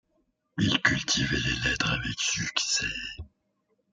Il cultivait les lettres avec succès.